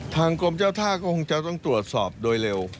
ทางกรมเจ้าท่าก็คงจะต้องตรวจสอบโดยเร็ว